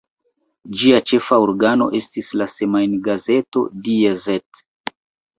Ĝia ĉefa organo estis la semajngazeto "Die Zeit".